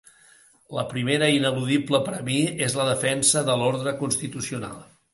La primera, ineludible per a mi, és la defensa de l’ordre constitucional.